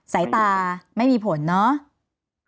สายตาไม่มีผลเนาะ